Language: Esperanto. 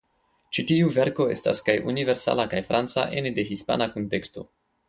Ĉi tiu verko estas kaj universala kaj franca ene de hispana kunteksto.